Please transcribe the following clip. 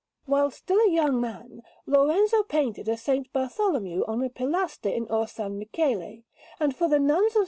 While still a young man, Lorenzo painted a S. Bartholomew on a pilaster in Orsanmichele, and for the Nuns of S.